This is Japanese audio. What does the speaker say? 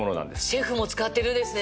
シェフも使ってるんですね。